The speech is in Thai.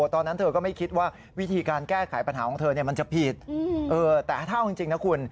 แต่ถ้าจริงนะคุณ